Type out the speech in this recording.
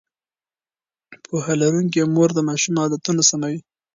پوهه لرونکې مور د ماشوم عادتونه سموي.